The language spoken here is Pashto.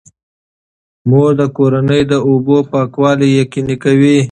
مور د کورنۍ د اوبو پاکوالی یقیني کوي.